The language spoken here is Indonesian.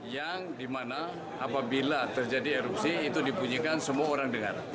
yang dimana apabila terjadi erupsi itu dibunyikan semua orang dengar